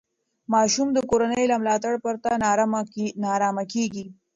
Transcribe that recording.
ماشوم د کورنۍ له ملاتړ پرته نارامه کېږي.